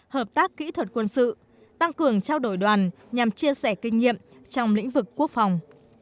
hợp tác kỹ thuật quân sự tăng cường trao đổi đoàn nhằm chia sẻ kinh nghiệm trong lĩnh vực quốc phòng